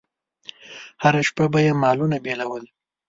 هره شپه به یې مالونه بېول.